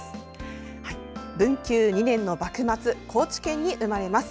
文久２年の幕末高知県に生まれます。